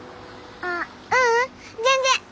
あっううん全然。